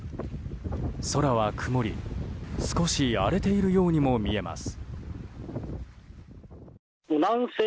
空は曇り、少し荒れているようにも見えます。